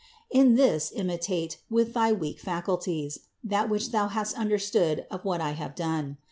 In all this imitate, with thy weak faculties, that which thou hast understood of what I have done.